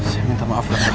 saya minta maafin bokap gua